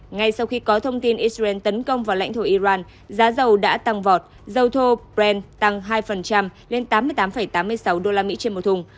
ngay sau khi có thông tin israel tấn công vào lãnh thổ iran giá dầu đã tăng vọt dầu thô brent tăng hai lên tám mươi tám bốn